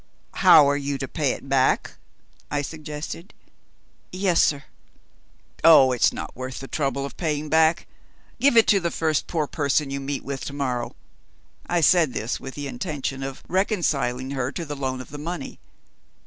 "How are you to pay it back?" I suggested. "Yes, sir." "Oh, it's not worth the trouble of paying back. Give it to the first poor person you meet with to morrow." I said this, with the intention of reconciling her to the loan of the money.